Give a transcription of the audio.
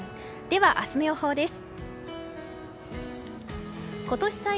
では明日の予報です。